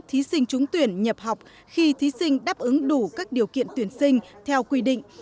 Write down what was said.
thí sinh trúng tuyển nhập học khi thí sinh đáp ứng đủ các điều kiện tuyển sinh theo quy định